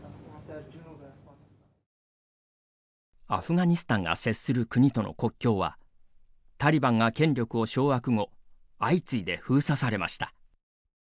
アフガニスタンが接する国との国境はタリバンが権力を掌握後相次いで封鎖されました。